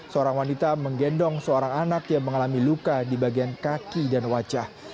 seorang wanita menggendong seorang anak yang mengalami luka di bagian kaki dan wajah